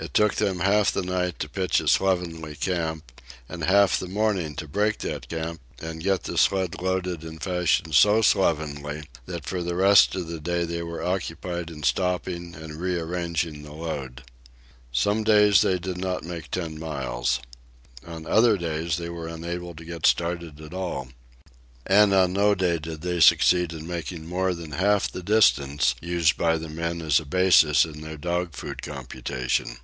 It took them half the night to pitch a slovenly camp, and half the morning to break that camp and get the sled loaded in fashion so slovenly that for the rest of the day they were occupied in stopping and rearranging the load. Some days they did not make ten miles. On other days they were unable to get started at all. And on no day did they succeed in making more than half the distance used by the men as a basis in their dog food computation.